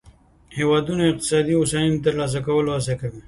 هیوادونه د اقتصادي هوساینې د ترلاسه کولو هڅه کوي